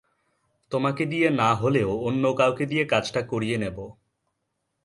তোমাকে দিয়ে না হলেও অন্য কাউকে দিয়ে কাজটা করিয়ে নেবো।